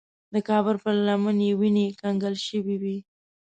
د کابل پر لمن کې وینې کنګل شوې وې.